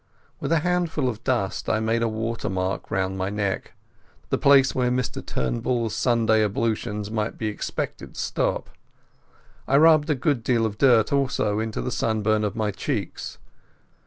With a handful of dust I made a water mark round my neck, the place where Mr Turnbull's Sunday ablutions might be expected to stop. I rubbed a good deal of dirt also into the sunburn of my cheeks.